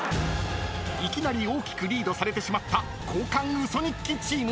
［いきなり大きくリードされてしまった交換ウソ日記チーム。